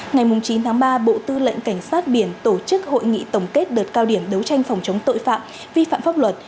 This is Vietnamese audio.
ngày chín tháng ba bộ tư lệnh cảnh sát biển tổ chức hội nghị tổng kết đợt cao điểm đấu tranh phòng chống tội phạm vi phạm pháp luật